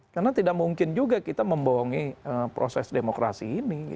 karena tidak mungkin juga kita membohongi proses demokrasi ini